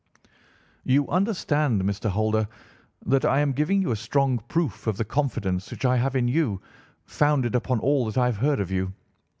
"'You understand, Mr. Holder, that I am giving you a strong proof of the confidence which I have in you, founded upon all that I have heard of you.